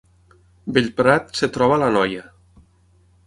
Bellprat es troba a l’Anoia